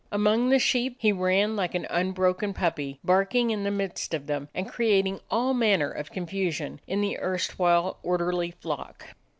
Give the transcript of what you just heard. Among the sheep he ran like an unbroken puppy, bark ing in the midst of them, and creating all manner of confusion in the erstwhile orderly flock.